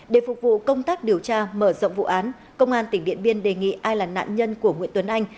để phục vụ công tác điều tra mở rộng vụ án công an tỉnh điện biên đề nghị ai là nạn nhân của nguyễn tuấn anh